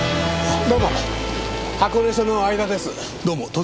どうも。